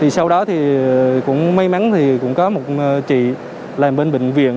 sau đó thì cũng may mắn thì cũng có một chị làm bên bệnh viện